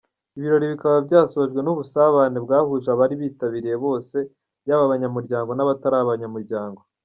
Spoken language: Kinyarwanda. Ibirori bikaba byasojwe n’ubusabane, bwahuje abari bitabiriye bose, yaba abanyamuryango n’abatari abanyamuryango.